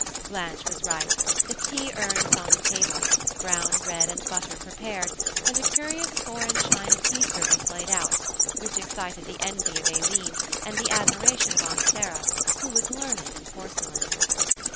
Blanche was right. The tea urn was on the table, brown bread and butter prepared, and a curious foreign china tea service laid out, which excited the envy of Aileen, and the admiration of Aunt Sarah, who was learned in porcelain.